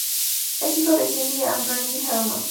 Es hijo de Cindy and Randy Harmon.